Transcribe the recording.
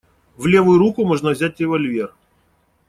В левую руку можно взять револьвер.